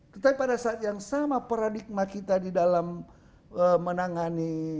tetapi pada saat yang sama paradigma kita di dalam menangani